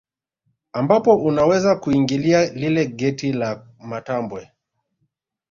Ambapo unaweza kuingilia lile geti la matambwe